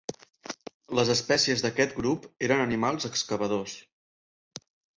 Les espècies d'aquest grup eren animals excavadors.